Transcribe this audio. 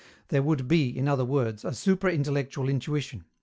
There would be, in other words, a supra intellectual intuition.